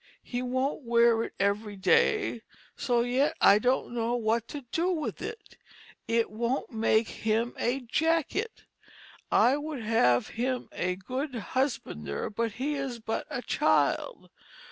He wont wear it every day so yt I don't know what to do with it. It wont make him a jackitt. I would have him a good husbander but he is but a child.